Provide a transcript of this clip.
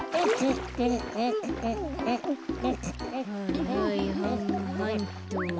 はいはいはんはんっと。